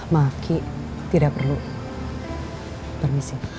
maaf ki tidak perlu permisi